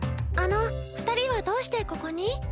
あの二人はどうしてここに？